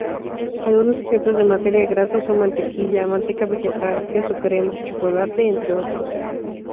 Algunos ejemplos de materia grasa son mantequilla, manteca vegetal, queso crema, chocolate, entre otros.